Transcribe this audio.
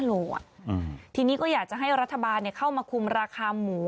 โลอ่ะอืมทีนี้ก็อยากจะให้รัฐบาลเข้ามาคุมราคาหมู